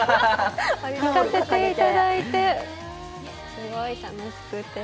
行かせていただいてすごい楽しくて。